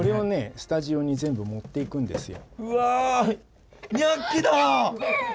スタジオに全部持っていくんですよ。